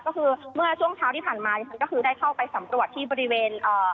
ก็คือเมื่อช่วงเช้าที่ผ่านมาเราได้เข้าไปสำรวจที่บริเวณ